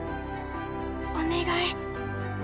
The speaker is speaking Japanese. お願い。